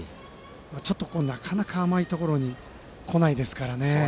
ちょっと、なかなか甘いところに来ないですからね。